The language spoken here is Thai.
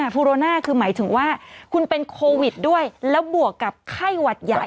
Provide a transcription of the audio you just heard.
ภูโรน่าคือหมายถึงว่าคุณเป็นโควิดด้วยแล้วบวกกับไข้หวัดใหญ่